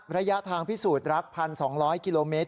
ระยะทางพิสูจน์รัก๑๒๐๐กิโลเมตร